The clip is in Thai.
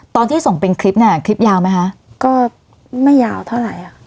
ตอนที่ส่งเป็นคลิปเนี่ยคลิปยาวไหมคะก็ไม่ยาวเท่าไหร่อ่ะ